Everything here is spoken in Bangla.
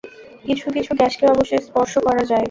কিছু কিছু গ্যাসকে অবশ্য স্পর্শ করা যায়।